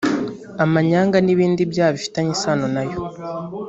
amanyanga n ibindi byaha bifitanye isano nayo